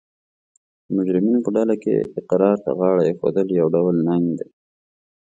د مجرمینو په ډله کې اقرار ته غاړه ایښول یو ډول ننګ دی